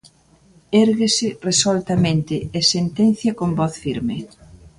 érguese resoltamente e sentencia con voz firme: